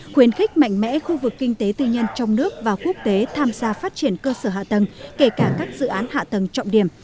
khuyến khích mạnh mẽ khu vực kinh tế tư nhân trong nước và quốc tế tham gia phát triển cơ sở hạ tầng kể cả các dự án hạ tầng trọng điểm